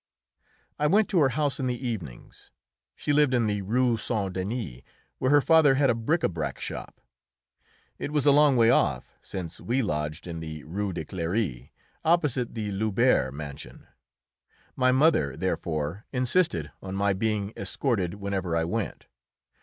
I went to her house in the evenings; she lived in the Rue Saint Denis, where her father had a bric à brac shop. It was a long way off, since we lodged in the Rue de Cléry, opposite the Lubert mansion. My mother, therefore, insisted on my being escorted whenever I went.